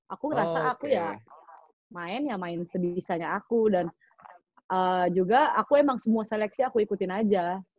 aku ngerasa aku ya main ya main sebisanya aku dan juga aku emang semua seleksi aku ikutin aja